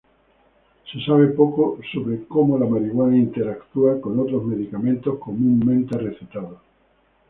Se sabe poco sobre cómo la marihuana interactúa con otros medicamentos comúnmente recetados.